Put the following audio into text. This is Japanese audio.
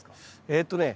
えっとね